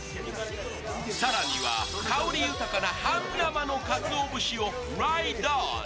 更には、香り豊かな半生のかつお節をライドオン！